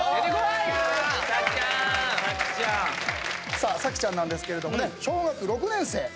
さあ咲ちゃんなんですけれどもね小学６年生。